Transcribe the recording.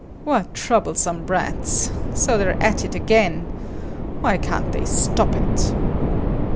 "What troublesome brats! So they're at it again, eh? Why can't they stop it!"